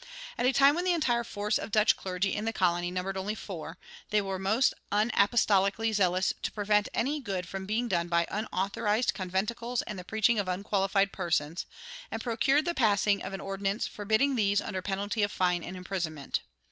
At a time when the entire force of Dutch clergy in the colony numbered only four, they were most unapostolically zealous to prevent any good from being done by "unauthorized conventicles and the preaching of unqualified persons," and procured the passing of an ordinance forbidding these under penalty of fine and imprisonment.